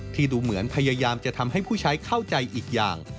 ดูเหมือนพยายามจะทำให้ผู้ใช้เข้าใจอีกอย่าง